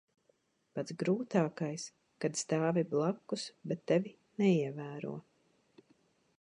Pats grūtākais - kad stāvi blakus, bet tevi neievēro.